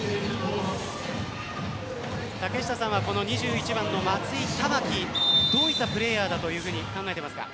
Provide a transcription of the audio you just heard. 竹下さんは２１番の松井珠己どういったプレーヤーだと考えていますか？